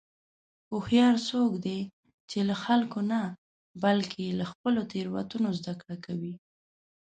هوښیار څوک دی چې له خلکو نه، بلکې له خپلو تېروتنو زدهکړه کوي.